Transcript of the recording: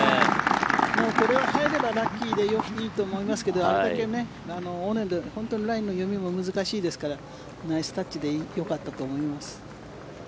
これは入ればラッキーでいいと思いますけどあれだけ尾根で本当にラインの読みも難しいですからナイスタッチでよかったと思います。